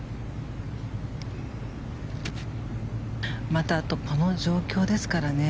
またあと、この状況ですからね。